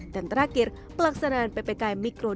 dan terakhir pelaksanaan ppkm mikrojok